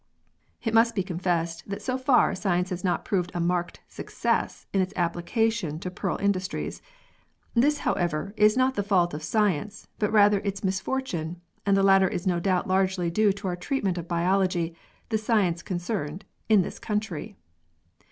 It must be confessed that so far science has not proved a marked success in its application to pearl industries. This, however, is not the fault of science, but rather its misfortune, and the latter is no doubt largely due to our treatment of biology, the science concerned, in this country.